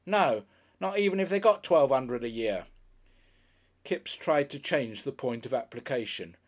No. Not even if they got Twelve 'Undred a Year." Kipps tried to change the point of application.